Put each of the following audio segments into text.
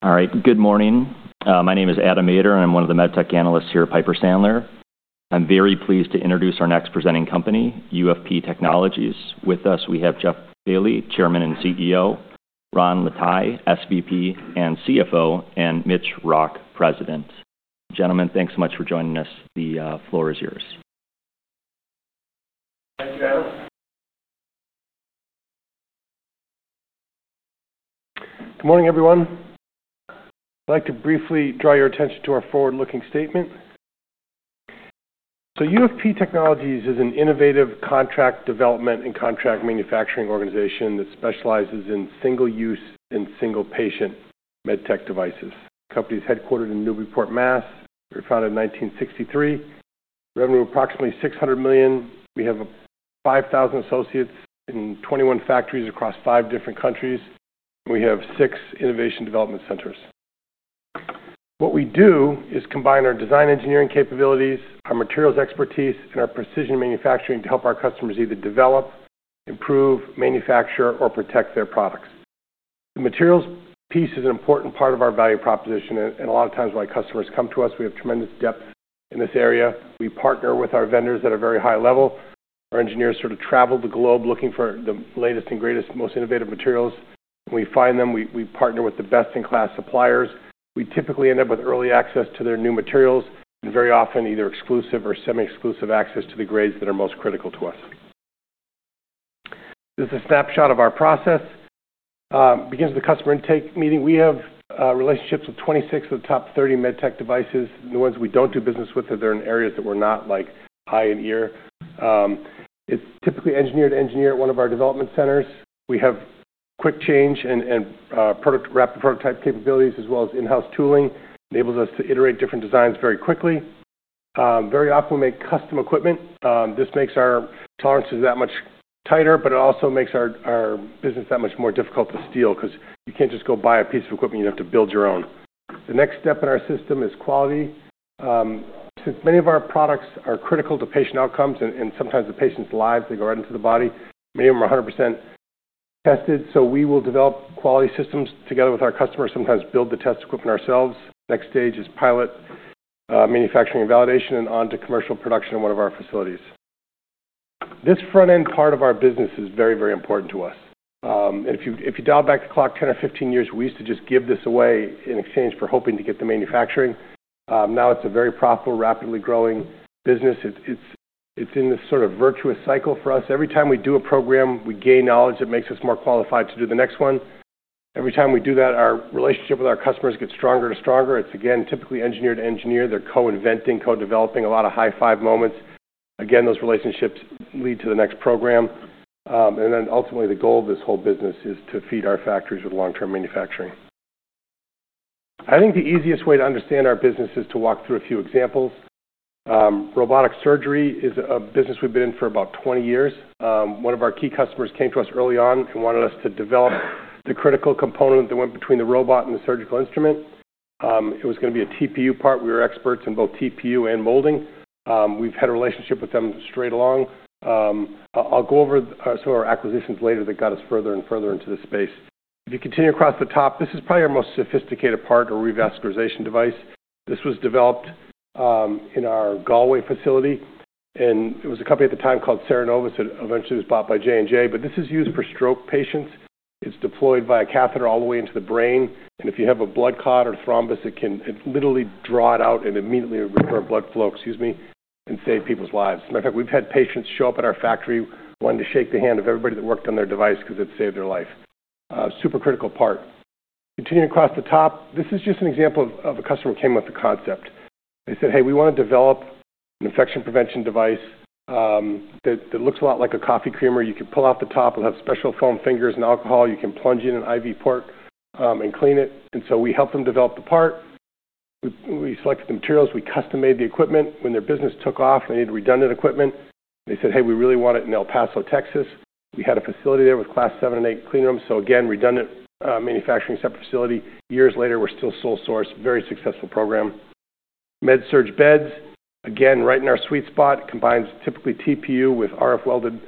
All right. Good morning. My name is Adam Maeder, and I'm one of the Medtech analysts here at Piper Sandler. I'm very pleased to introduce our next presenting company, UFP Technologies. With us, we have Jeff Bailly, Chairman and CEO, Ron Lataille, SVP and CFO, and Mitch Rock, President. Gentlemen, thanks so much for joining us. The floor is yours. Thank you, Adam. Good morning, everyone. I'd like to briefly draw your attention to our forward-looking statement. So UFP Technologies is an innovative contract development and contract manufacturing organization that specializes in single-use and single-patient Medtech devices. The company is headquartered in Newburyport, Massachusetts. We were founded in 1963. Revenue is approximately $600 million. We have 5,000 associates in 21 factories across five different countries. We have six innovation development centers. What we do is combine our design engineering capabilities, our materials expertise, and our precision manufacturing to help our customers either develop, improve, manufacture, or protect their products. The materials piece is an important part of our value proposition, and a lot of times when our customers come to us, we have tremendous depth in this area. We partner with our vendors at a very high level. Our engineers sort of travel the globe looking for the latest and greatest, most innovative materials. When we find them, we partner with the best-in-class suppliers. We typically end up with early access to their new materials and very often either exclusive or semi-exclusive access to the grades that are most critical to us. This is a snapshot of our process. It begins with a customer intake meeting. We have relationships with 26 of the top 30 Medtech devices. The ones we don't do business with, they're in areas that we're not in our area. It's typically engineer to engineer at one of our development centers. We have quick change and rapid prototype capabilities, as well as in-house tooling. It enables us to iterate different designs very quickly. Very often, we make custom equipment. This makes our tolerances that much tighter, but it also makes our business that much more difficult to steal because you can't just go buy a piece of equipment. You have to build your own. The next step in our system is quality. Since many of our products are critical to patient outcomes and sometimes the patient's lives. They go right into the body. Many of them are 100% tested. So we will develop quality systems together with our customers, sometimes build the test equipment ourselves. The next stage is pilot manufacturing and validation and on to commercial production in one of our facilities. This front-end part of our business is very, very important to us. If you dial back the clock 10 or 15 years, we used to just give this away in exchange for hoping to get the manufacturing. Now it's a very profitable, rapidly growing business. It's in this sort of virtuous cycle for us. Every time we do a program, we gain knowledge that makes us more qualified to do the next one. Every time we do that, our relationship with our customers gets stronger and stronger. It's, again, typically engineer to engineer. They're co-inventing, co-developing, a lot of high-five moments. Again, those relationships lead to the next program. And then ultimately, the goal of this whole business is to feed our factories with long-term manufacturing. I think the easiest way to understand our business is to walk through a few examples. Robotic surgery is a business we've been in for about 20 years. One of our key customers came to us early on and wanted us to develop the critical component that went between the robot and the surgical instrument. It was going to be a TPU part. We were experts in both TPU and molding. We've had a relationship with them straight along. I'll go over some of our acquisitions later that got us further and further into this space. If you continue across the top, this is probably our most sophisticated part, a revascularization device. This was developed in our Galway facility, and it was a company at the time called Cerenovus that eventually was bought by J&J, but this is used for stroke patients. It's deployed by a catheter all the way into the brain, and if you have a blood clot or thrombus, it can literally draw it out and immediately revert blood flow, excuse me, and save people's lives. As a matter of fact, we've had patients show up at our factory wanting to shake the hand of everybody that worked on their device because it saved their life. Super critical part. Continuing across the top, this is just an example of a customer who came up with the concept. They said, "Hey, we want to develop an infection prevention device that looks a lot like a coffee creamer. You can pull out the top. It'll have special foam fingers and alcohol. You can plunge in an IV port and clean it." And so we helped them develop the part. We selected the materials. We custom-made the equipment. When their business took off, they needed redundant equipment. They said, "Hey, we really want it in El Paso, Texas." We had a facility there with Class 7 and 8 cleanrooms. So again, redundant manufacturing separate facility. Years later, we're still sole source. Very successful program. MedSurg beds, again, right in our sweet spot, combines typically TPU with RF-welded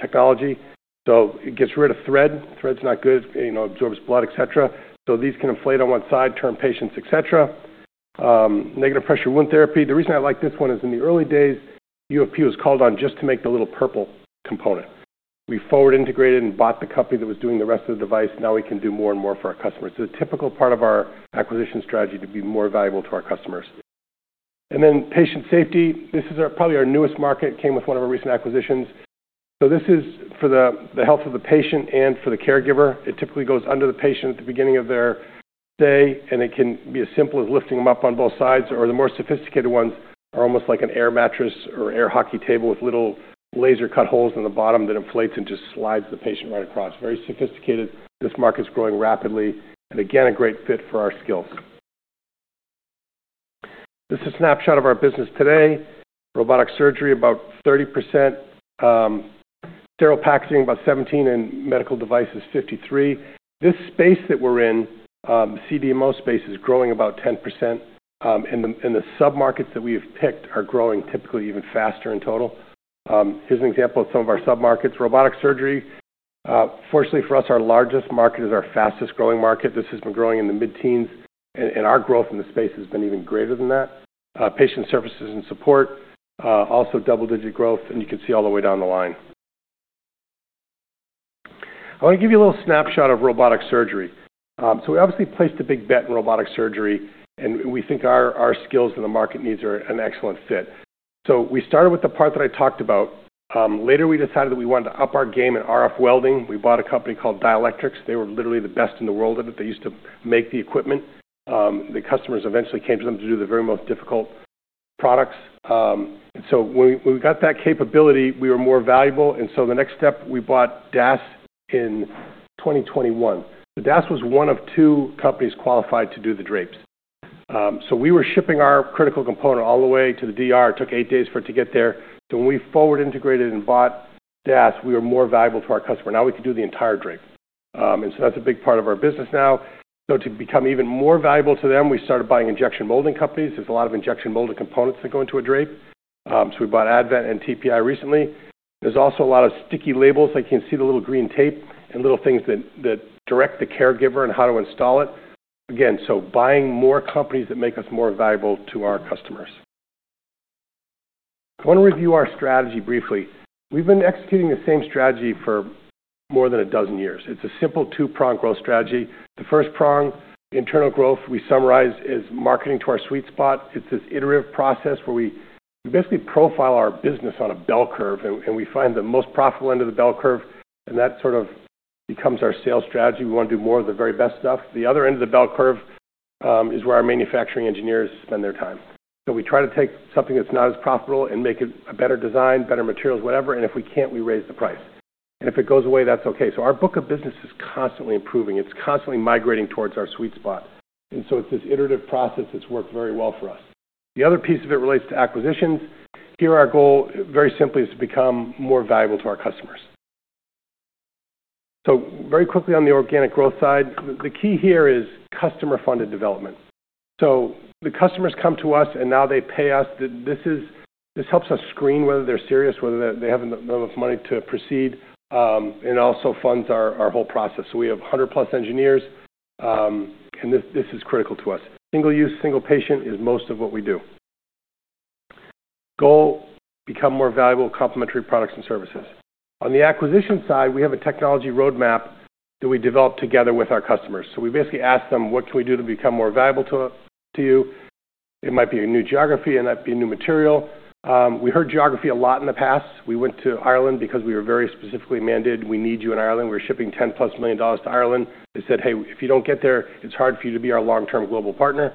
technology. So it gets rid of thread. Thread's not good. It absorbs blood, etc. So these can inflate on one side, turn patients, etc. Negative pressure wound therapy. The reason I like this one is in the early days, UFP was called on just to make the little purple component. We forward-integrated and bought the company that was doing the rest of the device. Now we can do more and more for our customers. It's a typical part of our acquisition strategy to be more valuable to our customers. And then patient safety. This is probably our newest market. It came with one of our recent acquisitions. So this is for the health of the patient and for the caregiver. It typically goes under the patient at the beginning of their day, and it can be as simple as lifting them up on both sides. Or the more sophisticated ones are almost like an air mattress or air hockey table with little laser cut holes in the bottom that inflates and just slides the patient right across. Very sophisticated. This market's growing rapidly. And again, a great fit for our skills. This is a snapshot of our business today. Robotic surgery, about 30%. Sterile packaging, about 17%. And medical devices, 53%. This space that we're in, CDMO space, is growing about 10%. And the sub-markets that we have picked are growing typically even faster in total. Here's an example of some of our sub-markets. Robotic surgery, fortunately for us, our largest market is our fastest-growing market. This has been growing in the mid-teens, and our growth in the space has been even greater than that. Patient services and support, also double-digit growth. And you can see all the way down the line. I want to give you a little snapshot of robotic surgery, so we obviously placed a big bet in robotic surgery, and we think our skills and the market needs are an excellent fit, so we started with the part that I talked about. Later, we decided that we wanted to up our game in RF welding. We bought a company called Dielectrics. They were literally the best in the world at it. They used to make the equipment. The customers eventually came to them to do the very most difficult products, and so when we got that capability, we were more valuable, and so the next step, we bought DAS in 2021, so DAS was one of two companies qualified to do the drapes, so we were shipping our critical component all the way to the DR. It took eight days for it to get there. So when we forward-integrated and bought DAS, we were more valuable to our customer. Now we could do the entire drape. And so that's a big part of our business now. So to become even more valuable to them, we started buying injection molding companies. There's a lot of injection molded components that go into a drape. So we bought Advent and TPI recently. There's also a lot of sticky labels. I can see the little green tape and little things that direct the caregiver and how to install it. Again, so buying more companies that make us more valuable to our customers. I want to review our strategy briefly. We've been executing the same strategy for more than a dozen years. It's a simple two-prong growth strategy. The first prong, internal growth, we summarize as marketing to our sweet spot. It's this iterative process where we basically profile our business on a bell curve, and we find the most profitable end of the bell curve, and that sort of becomes our sales strategy. We want to do more of the very best stuff. The other end of the bell curve is where our manufacturing engineers spend their time. So we try to take something that's not as profitable and make it a better design, better materials, whatever. And if we can't, we raise the price. And if it goes away, that's okay. So our book of business is constantly improving. It's constantly migrating towards our sweet spot. And so it's this iterative process that's worked very well for us. The other piece of it relates to acquisitions. Here, our goal, very simply, is to become more valuable to our customers. So very quickly on the organic growth side, the key here is customer-funded development. So the customers come to us, and now they pay us. This helps us screen whether they're serious, whether they have enough money to proceed, and also funds our whole process. So we have 100+ engineers, and this is critical to us. Single use, single patient is most of what we do. Goal, become more valuable complementary products and services. On the acquisition side, we have a technology roadmap that we develop together with our customers. So we basically ask them, "What can we do to become more valuable to you?" It might be a new geography. It might be a new material. We heard geography a lot in the past. We went to Ireland because we were very specifically mandated. We need you in Ireland. We were shipping $10+ million to Ireland. They said, "Hey, if you don't get there, it's hard for you to be our long-term global partner."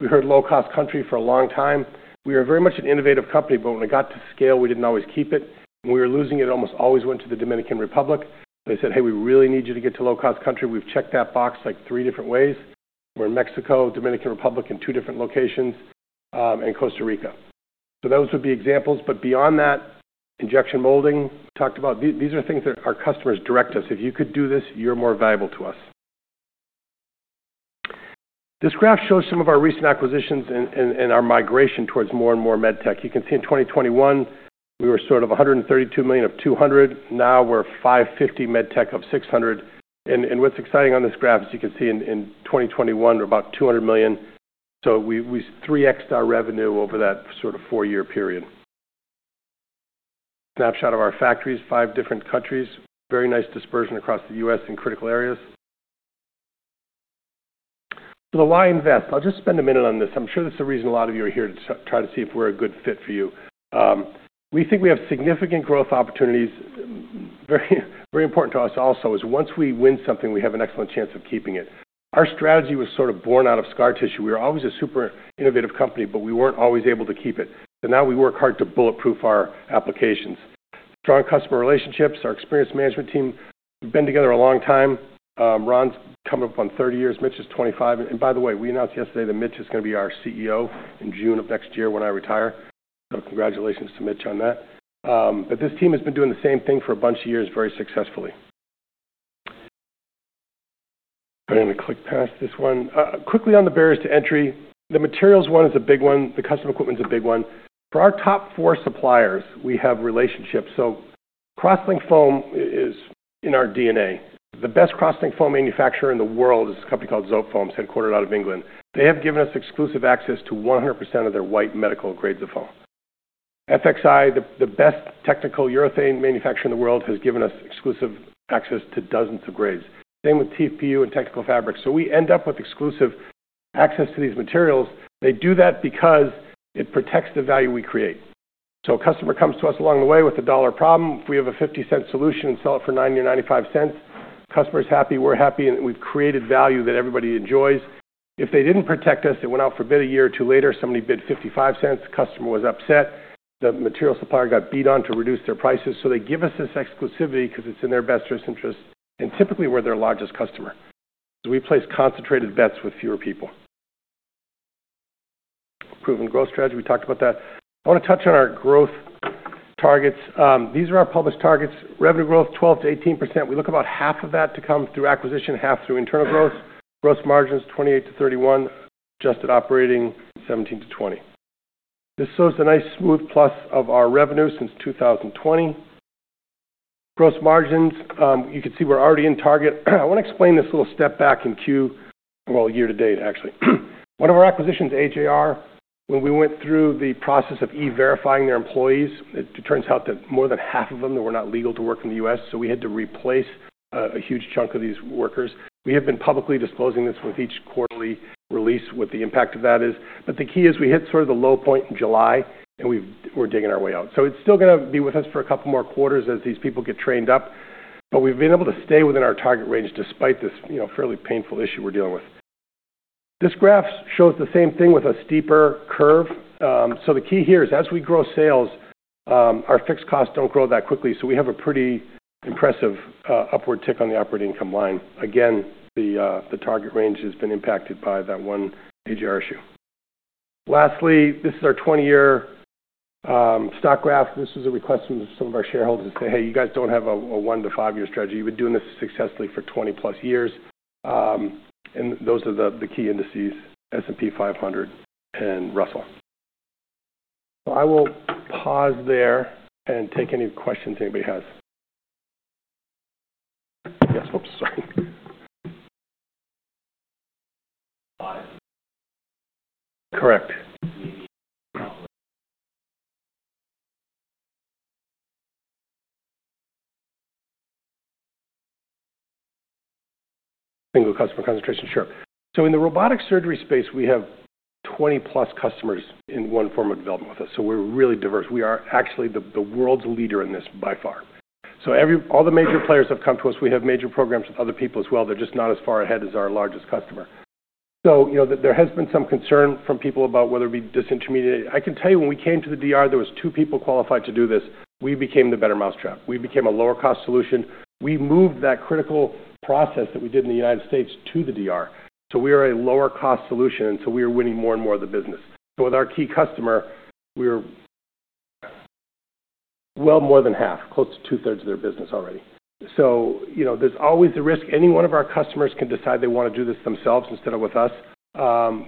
We heard low-cost country for a long time. We were very much an innovative company, but when it got to scale, we didn't always keep it. We were losing it. It almost always went to the Dominican Republic. They said, "Hey, we really need you to get to low-cost country." We've checked that box three different ways. We're in Mexico, Dominican Republic in two different locations, and Costa Rica. So those would be examples. But beyond that, injection molding, we talked about. These are things that our customers direct us. If you could do this, you're more valuable to us. This graph shows some of our recent acquisitions and our migration towards more and more Medtech. You can see in 2021, we were sort of $132 million of $200 million. Now we're $550 Medtech of $600, and what's exciting on this graph is you can see in 2021, we're about $200 million, so we've 3x'd our revenue over that sort of four-year period. Snapshot of our factories, five different countries. Very nice dispersion across the U.S. in critical areas. So the why invest? I'll just spend a minute on this. I'm sure this is the reason a lot of you are here to try to see if we're a good fit for you. We think we have significant growth opportunities. Very important to us also is once we win something, we have an excellent chance of keeping it. Our strategy was sort of born out of scar tissue. We were always a super innovative company, but we weren't always able to keep it. So now we work hard to bulletproof our applications. Strong customer relationships. Our experienced management team has been together a long time. Ron's coming up on 30 years. Mitch is 25, and by the way, we announced yesterday that Mitch is going to be our CEO in June of next year when I retire, so congratulations to Mitch on that, but this team has been doing the same thing for a bunch of years very successfully. I'm going to click past this one. Quickly on the barriers to entry. The materials one is a big one. The custom equipment is a big one. For our top four suppliers, we have relationships, so cross-linked foam is in our DNA. The best cross-linked foam manufacturer in the world is a company called Zotefoams, headquartered out of England. They have given us exclusive access to 100% of their white medical grades of foam. FXI, the best technical urethane manufacturer in the world, has given us exclusive access to dozens of grades. Same with TPU and technical fabrics. So we end up with exclusive access to these materials. They do that because it protects the value we create. So a customer comes to us along the way with a dollar problem. If we have a 50-cent solution and sell it for 90 or 95 cents, the customer's happy. We're happy. And we've created value that everybody enjoys. If they didn't protect us, it went out for a bid a year or two later. Somebody bid 55 cents. The customer was upset. The material supplier got beat on to reduce their prices. So they give us this exclusivity because it's in their best interest and typically we're their largest customer. So we place concentrated bets with fewer people. Proven growth strategy. We talked about that. I want to touch on our growth targets. These are our published targets. Revenue growth, 12%-18%. We look about half of that to come through acquisition, half through internal growth. Gross margins, 28%-31%. Adjusted operating, 17%-20%. This shows the nice smooth plot of our revenue since 2020. Gross margins, you can see we're already in target. I want to explain this little step back in Q. Year to date, actually. One of our acquisitions, AJR, when we went through the process of E-Verifying their employees, it turns out that more than half of them were not legal to work in the U.S. So we had to replace a huge chunk of these workers. We have been publicly disclosing this with each quarterly release what the impact of that is. But the key is we hit sort of the low point in July, and we're digging our way out. So it's still going to be with us for a couple more quarters as these people get trained up. But we've been able to stay within our target range despite this fairly painful issue we're dealing with. This graph shows the same thing with a steeper curve. So the key here is as we grow sales, our fixed costs don't grow that quickly. So we have a pretty impressive upward tick on the operating income line. Again, the target range has been impacted by that one AJR issue. Lastly, this is our 20-year stock graph. This was a request from some of our shareholders to say, "Hey, you guys don't have a one-to-five-year strategy. You've been doing this successfully for 20+ years." And those are the key indices: S&P 500 and Russell. So I will pause there and take any questions anybody has. Yes. Oops. Sorry. Correct. Single customer concentration. Sure. So in the robotic surgery space, we have 20+ customers in one form of development with us. So we're really diverse. We are actually the world's leader in this by far. So all the major players have come to us. We have major programs with other people as well. They're just not as far ahead as our largest customer. So there has been some concern from people about whether it be disintermediated. I can tell you when we came to the DR, there were two people qualified to do this. We became the better mousetrap. We became a lower-cost solution. We moved that critical process that we did in the United States to the DR, so we are a lower-cost solution, and so we are winning more and more of the business, so with our key customer, we are well more than half, close to two-thirds of their business already. So there's always the risk. Any one of our customers can decide they want to do this themselves instead of with us.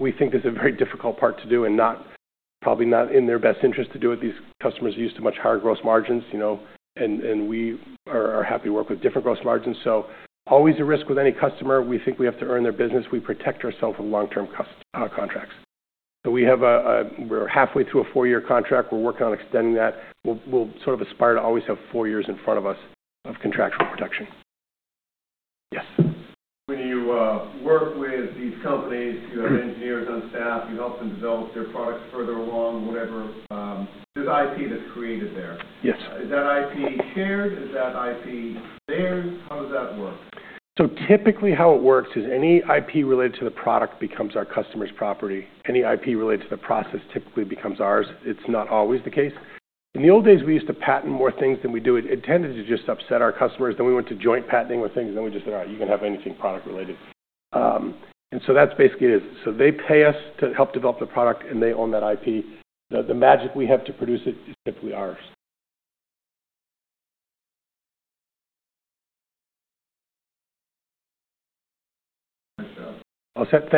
We think this is a very difficult part to do and probably not in their best interest to do it. These customers are used to much higher gross margins, and we are happy to work with different gross margins, so always a risk with any customer. We think we have to earn their business. We protect ourselves with long-term contracts, so we're halfway through a four-year contract. We're working on extending that. We'll sort of aspire to always have four years in front of us of contractual protection. Yes. When you work with these companies, you have engineers on staff. You help them develop their products further along, whatever. There's IP that's created there. Is that IP shared? Is that IP theirs? How does that work? So typically, how it works is any IP related to the product becomes our customer's property. Any IP related to the process typically becomes ours. It's not always the case. In the old days, we used to patent more things than we do. It tended to just upset our customers. Then we went to joint patenting with things, and then we just said, "All right. You can have anything product-related." And so that's basically it. So they pay us to help develop the product, and they own that IP. The magic we have to produce it is typically ours. I'll set.